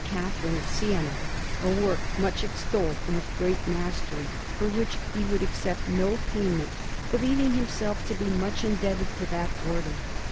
Catherine of Siena a work much extolled and of great mastery, for which he would accept no payment, believing himself to be much indebted to that Order.